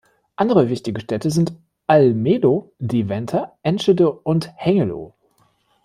Andere wichtige Städte sind Almelo, Deventer, Enschede und Hengelo.